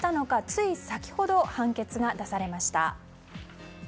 つい先ほど、判決が出されました。